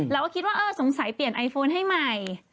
เราก็คิดว่าเออสงสัยเปลี่ยนไอโฟนให้ใหม่